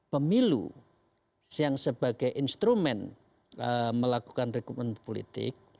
pemilu yang sebagai instrumen melakukan rekrutmen politik